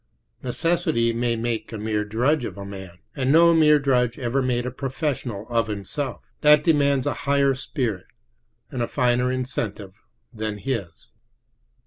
Necessity may make a mere drudge of a man, and no mere drudge ever made a professional of himself; that demands a higher spirit and a finer incentive than his.